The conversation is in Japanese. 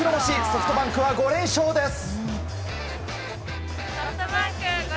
ソフトバンクは５連勝です。